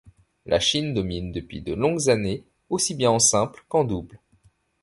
La Chine domine depuis de longues années aussi bien en simple qu'en double.